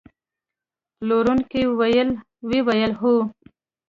پلورونکي وویل: هو.